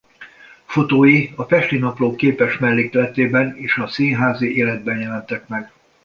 Fotói a Pesti Napló képes mellékletében és a Színházi Életben jelentek meg.